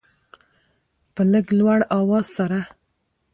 په لږ لوړ اواز سره